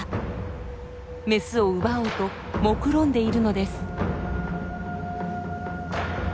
メスを奪おうともくろんでいるのです。